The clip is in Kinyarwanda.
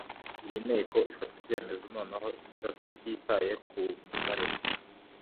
Iyi Nteko ifata ibyemezo noneho ititaye ku mubare